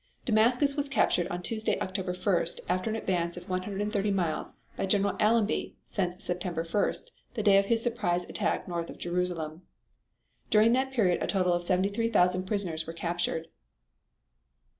Damascus was captured on Tuesday, October 1st, after an advance of 130 miles by General Allenby since September 1st, the day of his surprise attack north of Jerusalem. During that period a total of 73,000 prisoners was captured.